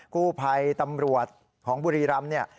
กู้ภัยตำรวจของบุรีรำ